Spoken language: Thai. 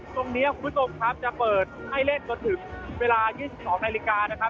คุณผู้ชมครับจะเปิดให้เล่นจนถึงเวลา๒๒นาฬิกานะครับ